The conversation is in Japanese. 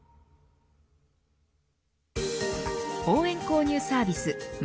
応援購入サービス